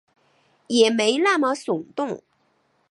也没那么耸动